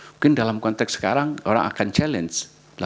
mungkin dalam konteks sekarang orang akan challenge